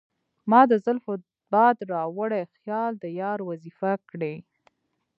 مــــــا د زلفو باد راوړی خیــــــال د یار وظیفه کـــــړی